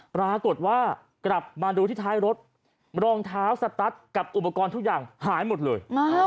ปรากฏว่ากลับมาดูที่ท้ายรถรองเท้าสตัสกับอุปกรณ์ทุกอย่างหายหมดเลย